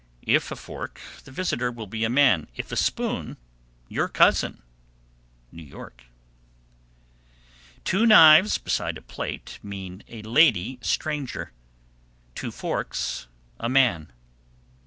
If a fork, the visitor will be a man; if a spoon, your cousin. New York. 765. Two knives beside a plate mean a lady stranger; two forks, a man.